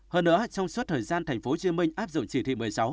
hơn nữa trong suốt thời gian tp hcm áp dụng chỉ thị một mươi sáu